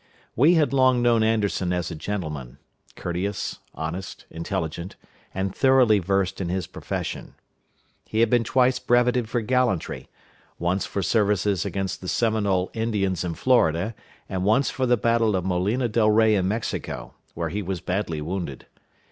We had long known Anderson as a gentleman; courteous, honest, intelligent, and thoroughly versed in his profession. He had been twice brevetted for gallantry once for services against the Seminole Indians in Florida, and once for the battle of Molino del Rey in Mexico, where he was badly wounded.